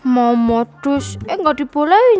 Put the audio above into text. kok diberkati ada lucu nih